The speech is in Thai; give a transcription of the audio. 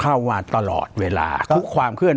ปากกับภาคภูมิ